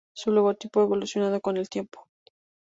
Su logotipo ha evolucionado con el tiempo.